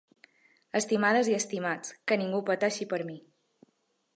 Estimades i estimats, que ningú pateixi per mi.